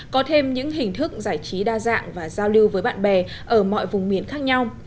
có thêm những hình thức giải trí đa dạng và giao lưu với bạn bè ở mọi vùng miền khác nhau